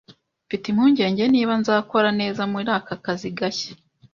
Mfite impungenge niba nzakora neza muri aka kazi gashya.